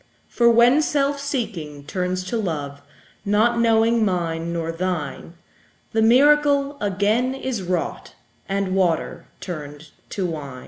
For when self seeking turns to love, Not knowing mine nor thine, The miracle again is wrought, And water turned to wine.